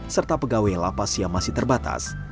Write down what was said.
serta pegawai lapas yang masih terbatas